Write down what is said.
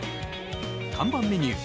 看板メニュー